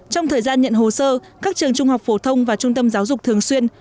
trong thời gian nhận hồ sơ các trường trung học phổ thông và trung tâm giáo dục thường xuyên